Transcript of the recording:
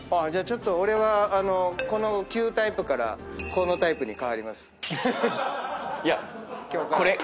じゃあちょっと俺はこの旧タイプからこのタイプに変わります。